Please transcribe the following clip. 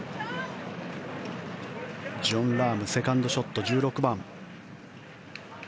ジョン・ラームセカンドショット、１６番。